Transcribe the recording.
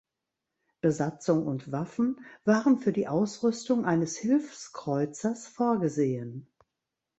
Besatzung und Waffen waren für die Ausrüstung eines Hilfskreuzers vorgesehen.